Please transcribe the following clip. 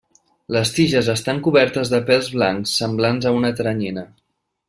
Les tiges estan cobertes de pèls blancs semblants a una teranyina.